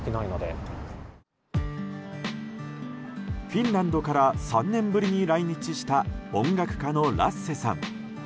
フィンランドから３年ぶりに来日した音楽家のラッセさん。